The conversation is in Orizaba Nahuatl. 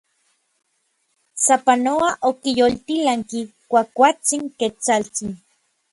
Sapanoa okiyoltilanki kuajkuaktsin Ketsaltsin.